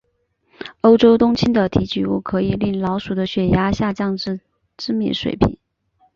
欧洲冬青的提取物可以令老鼠的血压下降至致命水平。